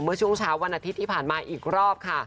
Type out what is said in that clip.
เมื่อช่วงเช้าวันอาทิตย์ที่ผ่านมาอีกรอบค่ะ